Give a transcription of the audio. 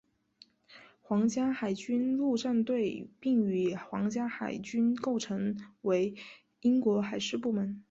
皇家海军陆战队并与皇家海军构成为英国海事部门。